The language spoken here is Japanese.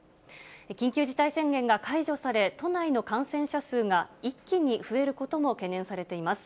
緊急事態宣言が解除され、都内の感染者数が一気に増えることも懸念されています。